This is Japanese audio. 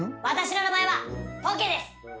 私の名前はポケです。